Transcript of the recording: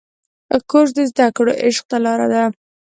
کورس د زده کړو عشق ته لاره ده.